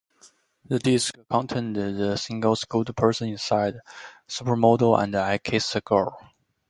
The disc contained the singles "Good Person Inside", "Supermodel" and "I Kissed a Girl".